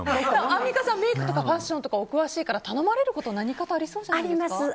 アンミカさんメイクとかファッションとかお詳しいから頼まれること何かとありそうじゃないですか。